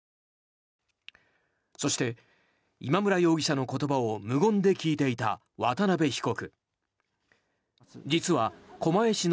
そして今村容疑者の言葉を無言で聞いていた渡邉被告。